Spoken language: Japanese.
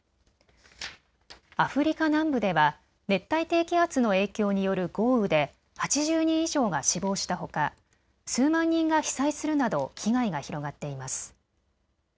アフリカ南部では熱帯低気圧の影響による豪雨で８０人以上が死亡したほか数万人が被災するなど被害が広がっています。